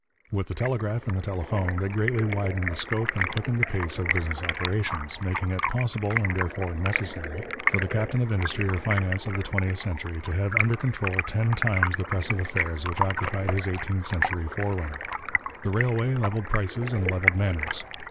With the telegraph and the telephone, they greatly widened the scope and quickened the pace of business operations, making it possible, and therefore necessary, for the captain of industry or finance of the twentieth century to have under control ten times the press of affairs which occupied his eighteenth century forerunner. The railway levelled prices and levelled manners.